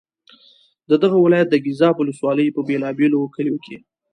د دغه ولایت د ګیزاب ولسوالۍ په بېلا بېلو کلیو کې.